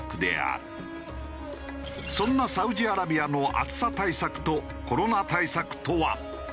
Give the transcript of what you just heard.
そんなサウジアラビアの暑さ対策とコロナ対策とは？